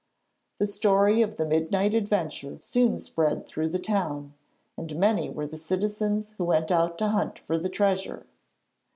The story of the midnight adventure soon spread through the town, and many were the citizens who went out to hunt for the treasure.